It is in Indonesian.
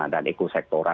dan ekosektoral juga